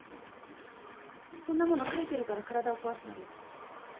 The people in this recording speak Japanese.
こんなものを書いてるから体を壊すのよ。